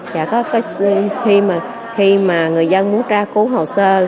và khi mà người dân muốn ra cứu hồ sơ